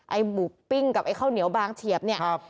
หมูปิ้งกับไอ้ข้าวเหนียวบางเฉียบเนี่ย